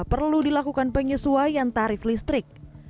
perlu dilakukan penyesuaian tarif listrik